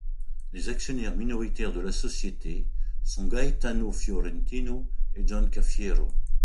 Les actionnaires minoritaires de la société sont Gaetano Fiorentino et John Cafiero.